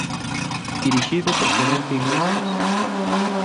Dirixido por Florencio Iglesias.